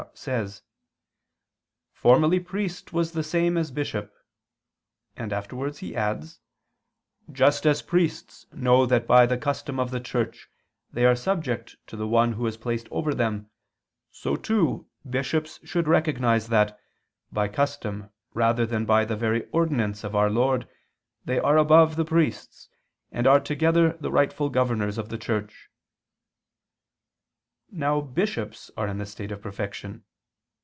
says: "Formerly priest was the same as bishop," and afterwards he adds: "Just as priests know that by the custom of the Church they are subject to the one who is placed over them, so too, bishops should recognize that, by custom rather than by the very ordinance of our Lord, they are above the priests, and are together the rightful governors of the Church." Now bishops are in the state of perfection.